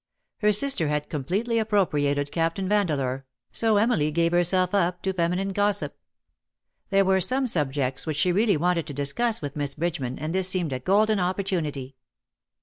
Her sister had completely appropriated Captain Vandeleur, so Emily gave herself up to 208 " HIS LADY SMILES ; feminine gossip. There were some subjects which she really wanted to discuss with Miss Bridgeman, and this seemed a golden opportunity.